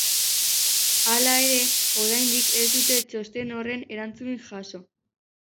Hala ere, oraindik ez dute txosten horren erantzunik jaso.